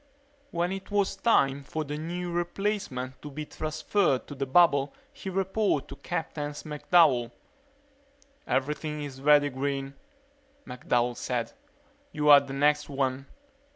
When it was time for the new replacement to be transferred to the bubble he reported to Captain McDowell. "Everything is ready, Green," McDowell said. "You are the next one."